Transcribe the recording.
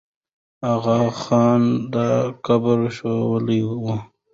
آغا خان دا قبر ښوولی وو.